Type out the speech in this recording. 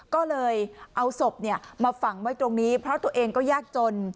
ก็เลยเอาศพมาฝังไว้ตรงนี้เพราะตัวเองก็ยากจน